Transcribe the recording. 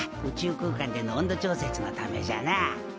宇宙空間での温度調節のためじゃな。